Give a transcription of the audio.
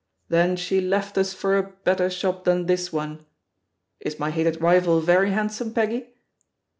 'Then she left us for a better shop than this one * Is my hated rival very handsome, Peggy?"